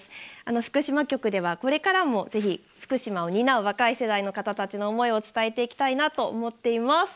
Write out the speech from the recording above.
福島局ではこれからもぜひ福島を担う若い世代の方たちの思いを伝えていきたいなと思っています。